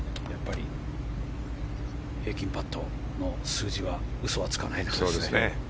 平均パットの数字は嘘はつかないですね。